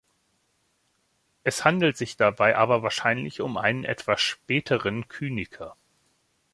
Es handelt sich dabei aber wahrscheinlich um einen etwas späteren Kyniker.